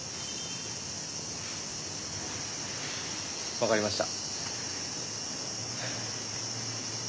分かりました。